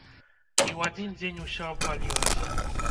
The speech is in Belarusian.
І ў адзін дзень усё абвалілася!